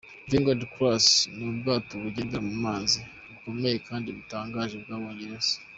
Vanguard Class: Ni ubwato bugendera mu mazi bukomeye kandi butangaje bw’Abongereza.